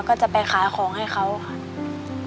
ก็จะไปขายของให้เขาค่ะ